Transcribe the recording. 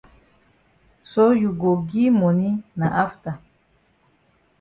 So you go gi moni na afta.